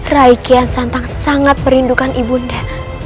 rai kian santang sangat perlindungan ibu bunda